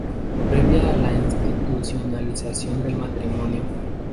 Previa a la institucionalización del matrimonio.